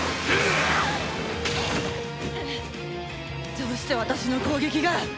どうして私の攻撃が！？